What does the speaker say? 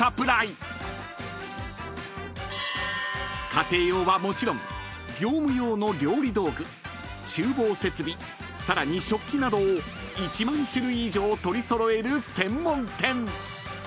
［家庭用はもちろん業務用の料理道具厨房設備さらに食器などを１万種類以上取り揃える専門店］